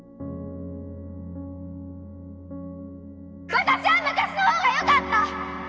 私は昔のほうがよかった！